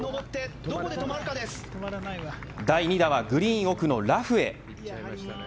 第２打はグリーン奥のラフへ。